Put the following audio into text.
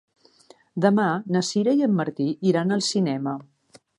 Demà na Sira i en Martí iran al cinema.